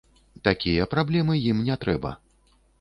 Такія праблемы ім не трэба.